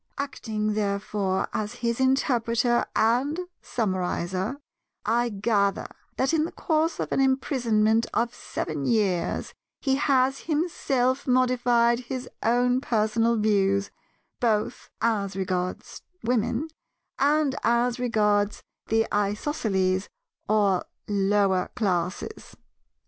Acting, therefore, as his interpreter and summarizer, I gather that in the course of an imprisonment of seven years he has himself modified his own personal views, both as regards Women and as regards the Isosceles or Lower Classes.